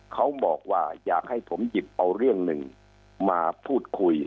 เขาบอกว่าอยากให้ผมหยิบเอาเรื่องหนึ่งมาพูดคุย